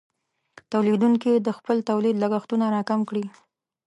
تولیدونکې د خپل تولید لګښتونه راکم کړي.